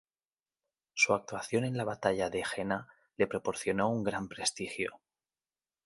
Su actuación en la batalla de Jena le proporcionó un gran prestigio.